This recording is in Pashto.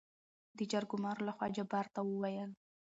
دجرګمارو لخوا جبار ته وويل: